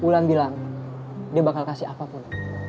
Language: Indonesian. bulan bilang dia bakal kasih apapun